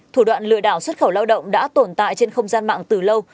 thủ đoạn lừa đảo xuất khẩu lao động đã tồn tại trên không gian mạng từ lâu